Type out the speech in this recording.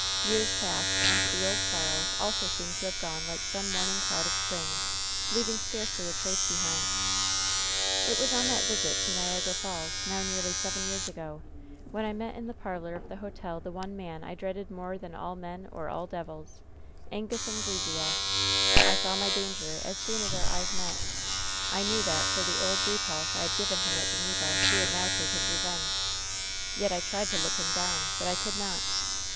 "Years passed, and the old sorrow also seemed to have gone like some morning cloud of spring, leaving scarcely a trace behind. "It was on that visit to Niagara Falls, now nearly seven years ago, when I met in the parlor of the hotel the one man I dreaded more than all men or all devils — Angus Anglesea ! "I saw my danger as soon as our eyes met. I knew that for the old repulse I had given him at Geneva he would now take his revenge. Yet I tried to look him down, but I could not.